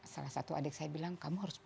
salah satu adik saya bilang kamu harus